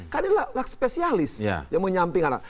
kan ini berlaku spesialis yang menyamping